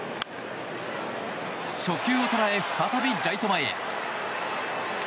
初球を捉え、再びライト前へ。